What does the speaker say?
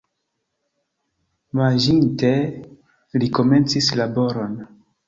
Manĝinte, li komencis laboron.